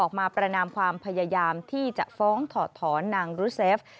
ประนามความพยายามที่จะฟ้องถอดถอนนางรุเซฟ